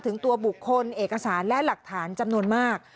ถึงตัวบุคคลเอกสารและหลักฐานจำนวนมาก